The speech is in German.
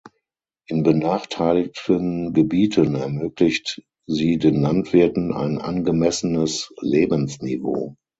In benachteiligten Gebieten ermöglicht sie den Landwirten ein angemessenes Lebensniveau.